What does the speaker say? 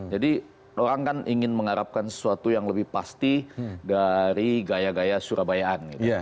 jadi orang kan ingin mengharapkan sesuatu yang lebih pasti dari gaya gaya surabayaan gitu